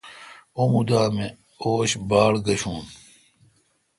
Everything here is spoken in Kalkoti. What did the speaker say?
اں مودہ می اوش باڑگشوں۔